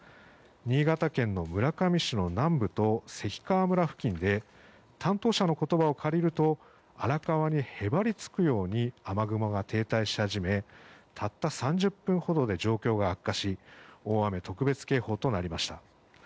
新潟県の村上市の南部と関川村付近で担当者の言葉を借りると荒川にへばりつくように雨雲が停滞し始めたった３０分ほどで状況が悪化し大雨特別警報となりました。